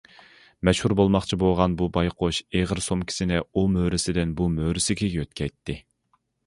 ‹‹ مەشھۇر›› بولماقچى بولغان بۇ بايقۇش ئېغىر سومكىسىنى ئۇ مۈرىسىدىن بۇ مۈرىسىگە يۆتكەيتتى.